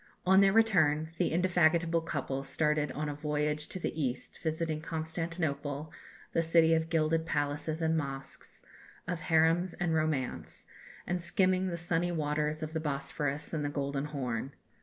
On their return, the indefatigable couple started on a voyage to the East, visiting Constantinople, the city of gilded palaces and mosques, of harems and romance; and skimming the sunny waters of the Bosphorus and the Golden Horn.